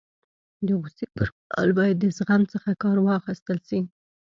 د غوصي پر مهال باید د زغم څخه کار واخستل سي.